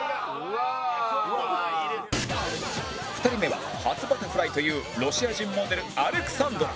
２人目は初バタフライというロシア人モデルアレクサンドラ